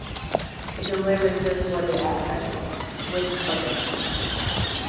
It delivers just what it advertises, with a vengeance.